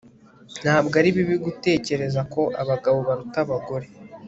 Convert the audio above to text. Ntabwo ari bibi gutekereza ko abagabo baruta abagore